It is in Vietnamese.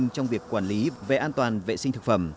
trong việc quản lý về an toàn vệ sinh thực phẩm